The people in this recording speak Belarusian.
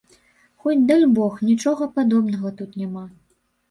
Хоць, дальбог, нічога падобнага тут няма.